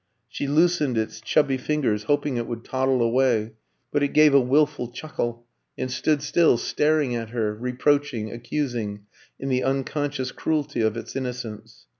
She loosened its chubby fingers, hoping it would toddle away; but it gave a wilful chuckle, and stood still, staring at her, reproaching, accusing, in the unconscious cruelty of its innocence.